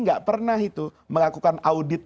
gak pernah itu melakukan audit